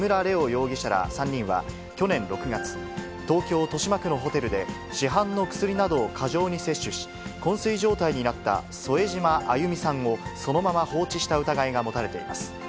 容疑者ら３人は、去年６月、東京・豊島区のホテルで、市販の薬などを過剰に摂取し、こん睡状態になった添島亜祐美さんをそのまま放置した疑いが持たれています。